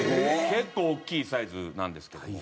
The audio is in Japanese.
結構大きいサイズなんですけども。